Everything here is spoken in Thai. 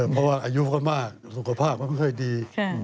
เพราะว่าอายุก็มากสุขภาพก็ไม่ค่อยดี